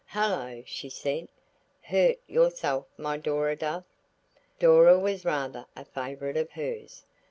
"Hullo!" she said, "hurt yourself, my Dora dove?" Dora was rather a favourite of hers.